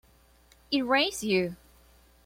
Erase You!